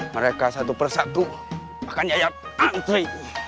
mereka satu persatu akan nyayap antri